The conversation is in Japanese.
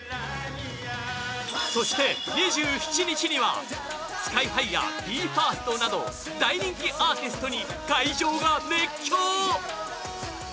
そして２７日にはＳＫＹ−ＨＩやＢＥ：ＦＩＲＳＴなど大人気アーティストに会場が熱狂。